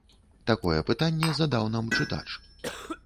Такое пытанне задаў нам чытач.